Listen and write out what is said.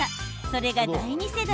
それが第二世代。